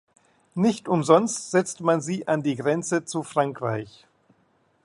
Nicht umsonst setzte man sie an die Grenze zu Frankreich.